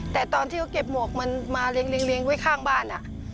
แต่ตอนที่เขาเก็บหมวกมันมาเลี้ยงไว้ข้างบ้าน